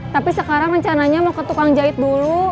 tapi sekarang rencananya mau ke tukang jahit dulu